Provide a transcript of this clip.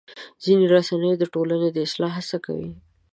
ځینې رسنۍ د ټولنې د اصلاح هڅه کوي.